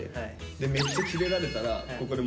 でめっちゃキレられたらここでまた言って。